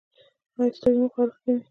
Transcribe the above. ایا سترګې مو خارښ کوي؟